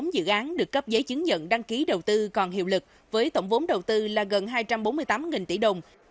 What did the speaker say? một mươi dự án được cấp giấy chứng nhận đăng ký đầu tư còn hiệu lực với tổng vốn đầu tư là gần hai trăm bốn mươi tám tỷ đồng